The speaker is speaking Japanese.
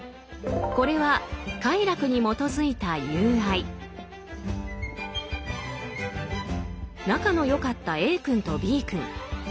これは仲の良かったＡ君とＢ君。